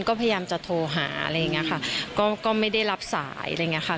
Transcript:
ก็พยายามจะโทรหาอะไรอย่างเงี้ยค่ะก็ไม่ได้รับสายอะไรอย่างเงี้ค่ะ